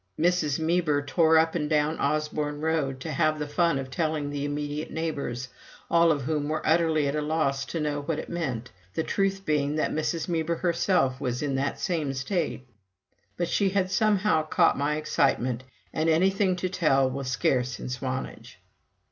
Mrs. Meber tore up and down Osborne Road to have the fun of telling the immediate neighbors, all of whom were utterly at a loss to know what it meant, the truth being that Mrs. Meber herself was in that same state. But she had somehow caught my excitement, and anything to tell was scarce in Swanage.